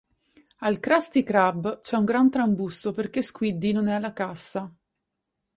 Al Krusty Krab c'è un gran trambusto perché Squiddi non è alla cassa.